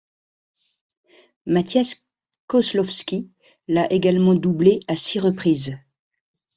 Mathias Kozlowski l'a également doublé à six reprises.